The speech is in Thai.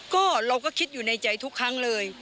ก็เราก็คิดอยู่ในใจทุกครั้งเลย